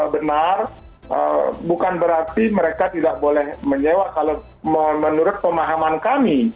benar bukan berarti mereka tidak boleh menyewa menurut pemahaman kami